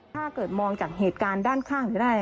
ถ้าเกิดมองจากเหตุการณ์ด้านข้างจะได้